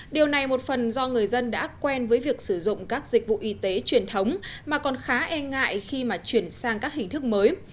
điều này một phần do người dân đã quen với việc sử dụng các dịch vụ y tế truyền thống mà còn khá e ngại khi mà chuyển sang các hình thức mới